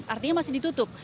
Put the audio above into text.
artinya masih ditutup